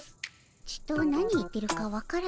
ちと何言ってるか分からぬの。